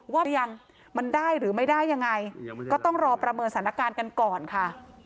ว่ายังมันได้หรือไม่ได้ยังไงก็ต้องรอประเมินสถานการณ์กันก่อนค่ะ